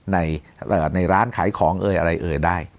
ในร้านขายของเอ่ยอะไรเอ่ยได้